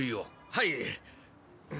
はい。